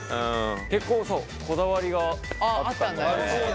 結構こだわりがあったんだよね。